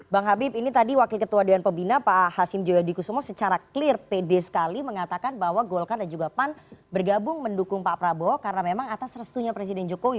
bang habib ini tadi wakil ketua dewan pembina pak hasim joyo dikusumo secara clear pede sekali mengatakan bahwa golkar dan juga pan bergabung mendukung pak prabowo karena memang atas restunya presiden jokowi